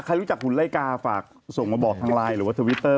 ใครรู้จักหุ่นไล่กาฝากส่งมาบอกทางไลน์หรือว่าทวิตเตอร์